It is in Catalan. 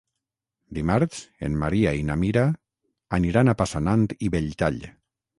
Dimarts en Maria i na Mira aniran a Passanant i Belltall.